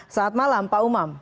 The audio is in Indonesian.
selamat malam pak umam